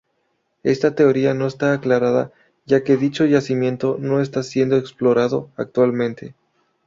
Esta teoría no está aclarada ya que dicho yacimiento no está siendo explorado actualmente.